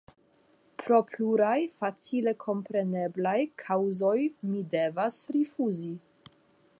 Pro pluraj facile kompreneblaj kaŭzoj mi devas rifuzi.